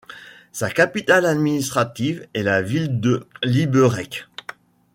Sa capitale administrative est la ville de Liberec.